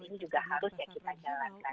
ini juga harus ya kita jalankan